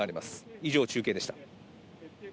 以上、中継でした。